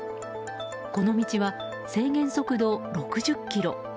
この道は制限速度６０キロ。